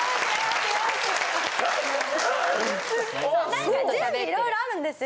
何か準備いろいろあるんですよ。